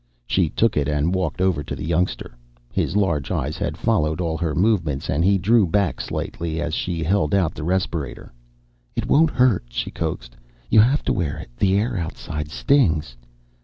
She took it and walked over to the youngster. His large eyes had followed all her movements and he drew back slightly as she held out the respirator. "It won't hurt," she coaxed. "You have to wear it. The air outside stings."